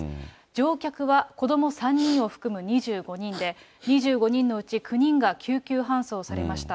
乗客は子ども３人を含む２５人で、２５人のうち９人が救急搬送されました。